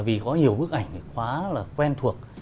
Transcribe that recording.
vì có nhiều bức ảnh quá là quen thuộc